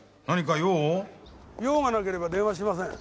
用がなければ電話しません。